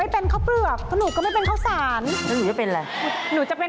ต้องขายของนะตามกฎิการใช่